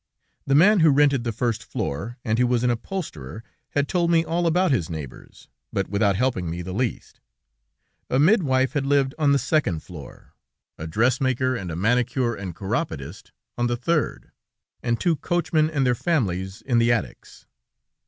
The man who rented the first floor, and who was an upholsterer, had told me all about his neighbors, but without helping me the least. A midwife had lived on the second floor, a dressmaker and a manicure and chiropodist on the third, and two coachmen and their families in the attics.